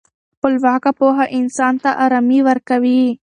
خپلواکه پوهه انسان ته ارامي ورکوي.